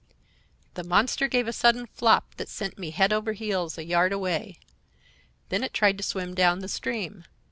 "The monster gave a sudden flop that sent me head over heels a yard away. Then it tried to swim down the stream.